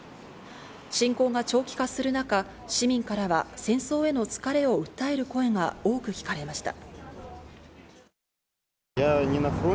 侵攻が長期化する中、市民からは戦争への疲れを訴える声が多く聞かれました。